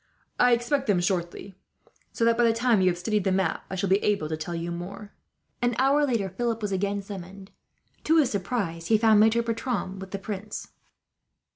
I expect them shortly, so that by the time you have studied the map, I shall be able to tell you more." An hour later, Philip was again summoned. To his surprise, he found Maitre Bertram with the prince.